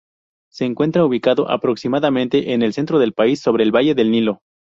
Se encuentra ubicado aproximadamente en el centro del país, sobre el valle del Nilo.